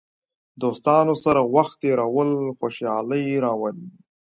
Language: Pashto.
دوستانو سره وخت تېرول خوشحالي راولي.